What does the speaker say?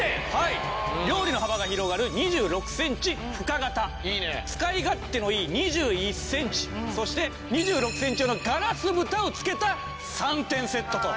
料理の幅が広がる２６センチ深型使い勝手のいい２１センチそして２６センチ用のガラス蓋をつけた３点セットと。